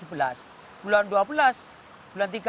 bulan tiga airnya lah pak